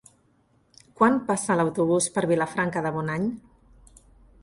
Quan passa l'autobús per Vilafranca de Bonany?